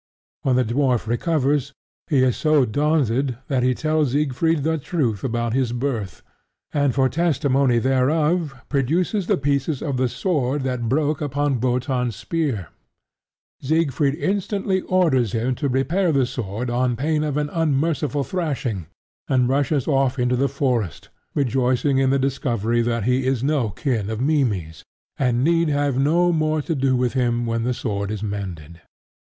When the dwarf recovers, he is so daunted that he tells Siegfried the truth about his birth, and for testimony thereof produces the pieces of the sword that broke upon Wotan's spear. Siegfried instantly orders him to repair the sword on pain of an unmerciful thrashing, and rushes off into the forest, rejoicing in the discovery that he is no kin of Mimmy's, and need have no more to do with him when the sword is mended.